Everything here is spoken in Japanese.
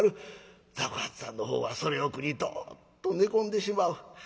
雑穀八さんのほうはそれを苦にどっと寝込んでしまう。